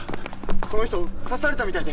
この人刺されたみたいで。